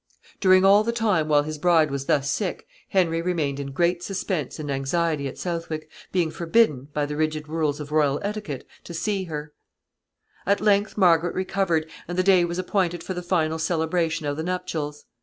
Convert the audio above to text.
During all the time while his bride was thus sick Henry remained in great suspense and anxiety at Southwick, being forbidden, by the rigid rules of royal etiquette, to see her. [Sidenote: Recovery.] At length Margaret recovered, and the day was appointed for the final celebration of the nuptials.